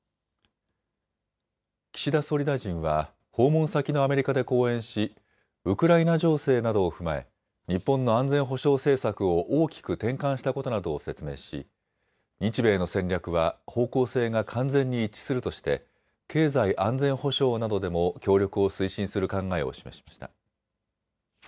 岸田総理大臣は訪問先のアメリカで講演しウクライナ情勢などを踏まえ日本の安全保障政策を大きく転換したことなどを説明し日米の戦略は方向性が完全に一致するとして経済安全保障などでも協力を推進する考えを示しました。